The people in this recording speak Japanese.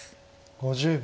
５０秒。